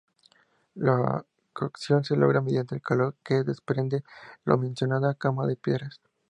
La cocción se logra mediante el calor que desprende la mencionada cama de piedras.